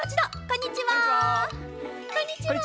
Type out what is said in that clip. こんにちは。